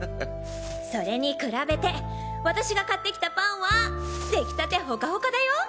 それに比べて私が買ってきたパンは出来たてホカホカだよ！